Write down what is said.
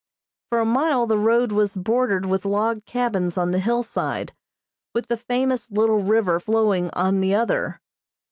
For a mile the road was bordered with log cabins on the hillside, with the famous little river flowing on the other.